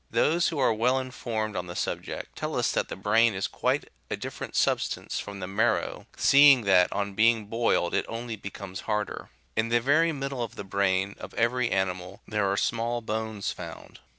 Those who are well informed on the subject, tell us that the brain is quite a different substance from the marrow, seeing that on being boiled it only becomes harder. In the very middle of the brain of every animal there are small bones found.